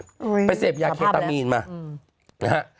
อุ๊ยมีประภาพเลยนะไปเสพยาเคตามีนมา